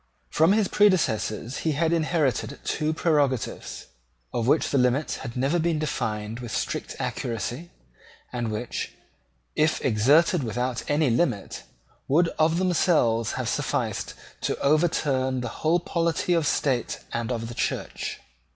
From his predecessors he had inherited two prerogatives, of which the limits had never been defined with strict accuracy, and which, if exerted without any limit, would of themselves have sufficed to overturn the whole polity of the State and of the Church.